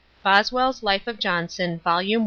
—Boswell's Life of Johnson, vol. i.